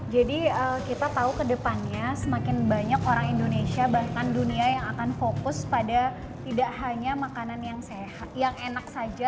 jadi kita tahu kedepannya semakin banyak orang indonesia bahkan dunia yang akan fokus pada tidak hanya makanan yang enak saja